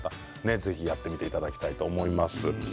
ぜひやってみていただきたいと思います。